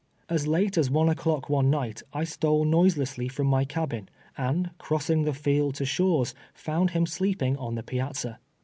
As late as one o'clock one night I stole noise lessly from my cabin, and, crossing the field to Shaw's, found him sleeping on the piazza.